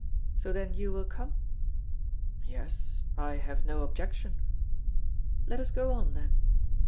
So then you will come?" "Yes, I have no objection." "Let us go on then."